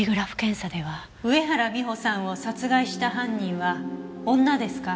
上原美帆さんを殺害した犯人は女ですか。